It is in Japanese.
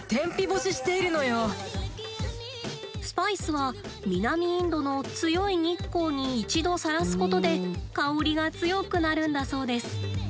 スパイスは南インドの強い日光に一度さらすことで香りが強くなるんだそうです。